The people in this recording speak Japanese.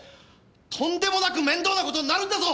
とんでもなく面倒なことになるんだぞ！